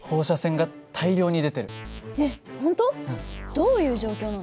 どういう状況なの？